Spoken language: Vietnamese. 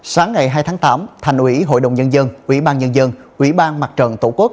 sáng ngày hai tháng tám thành ủy hội đồng nhân dân ủy ban nhân dân ủy ban mặt trận tổ quốc